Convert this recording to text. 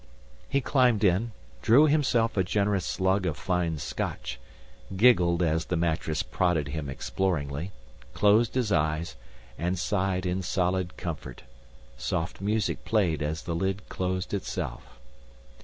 He climbed in, drew himself a generous slug of fine Scotch, giggled as the mattress prodded him exploringly, closed his eyes and sighed in solid comfort. Soft music played as the lid closed itself.